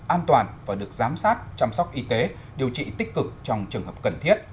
an toàn và được giám sát chăm sóc y tế điều trị tích cực trong trường hợp cần thiết